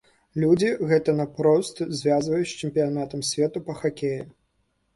Людзі гэта наўпрост звязваюць з чэмпіянатам свету па хакеі.